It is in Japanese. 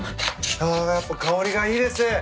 あやっぱ香りがいいです。